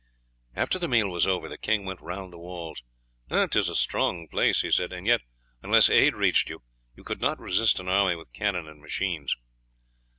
After the meal was over the king went round the walls. "'Tis a strong place," he said, "and yet unless aid reached you, you could not resist an army with cannon and machines."